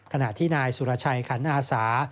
ขณะที่นายสุรชัยขันอาสา